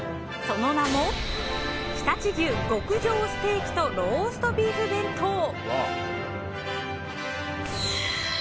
その名も常陸牛極上ステーキとローストビーフ弁当。